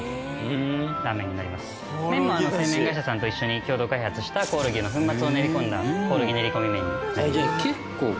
麺も製麺会社さんと一緒に共同開発したコオロギの粉末を練り込んだコオロギ練り込み麺になります。